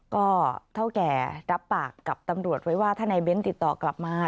ก็เท่าแก่รับปากกับตำรวจไว้ว่าถ้านายเบ้นติดต่อกลับมา